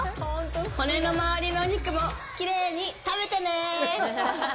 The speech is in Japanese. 骨の周りのお肉もきれいに食べてね！